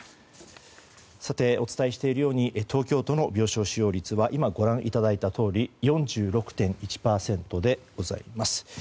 お伝えしているように東京都の病床使用率は今、ご覧いただいたとおり４６．１％でございます。